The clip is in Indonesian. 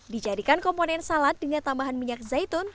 dijadikan komponen salad dengan tambahan minyak zaitun